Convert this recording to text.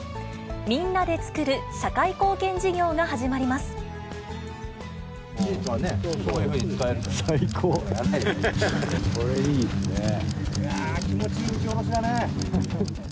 みんなでつくる社会貢献事業が始まります。